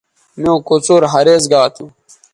میوں کوڅر ھریز گا تھو